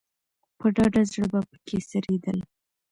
په ډاډه زړه به په کې څرېدل.